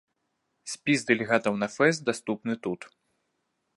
Спіс дэлегатаў на фэст даступны тут.